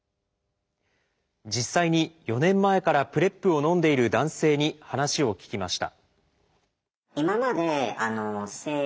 実際に４年前からＰｒＥＰをのんでいる男性に話を聞きました。